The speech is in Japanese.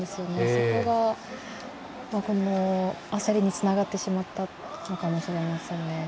そこが、焦りにつながってしまったかもしれませんね。